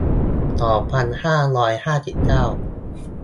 สองพันห้าร้อยห้าสิบเก้า